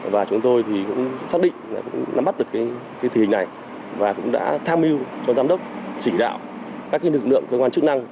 và chúng tôi cũng xác định cũng nắm bắt được tình hình này và cũng đã tham mưu cho giám đốc chỉ đạo các lực lượng cơ quan chức năng